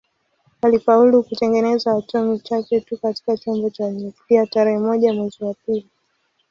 Walifaulu kutengeneza atomi chache tu katika chombo cha nyuklia tarehe moja mwezi wa pili